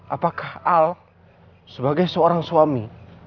apakah al sebagai seorang suami